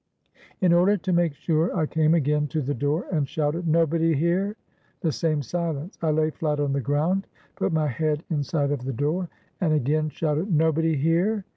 In order to make sure, I came again to the door, and shouted, "Nobody here?" The same silence. I lay flat on the ground, put my head inside of the door, and again shouted, "Nobody here?"